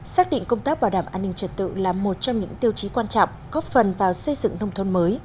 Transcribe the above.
xác định công tác bảo đảm an ninh trật tự là một trong những tiêu chí quan trọng góp phần vào xây dựng nông thôn mới